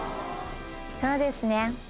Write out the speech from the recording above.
そうですね